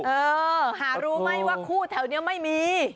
เออหารู้ไหมว่าคู่แถวนี้ไม่มี